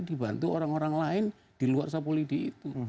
dibantu orang orang lain di luar sapulidi itu